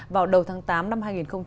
vào đầu tháng tám năm hai nghìn một mươi bảy